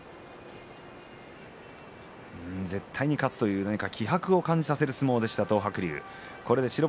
絶対に勝つというような気迫を感じさせる相撲でした東白龍です。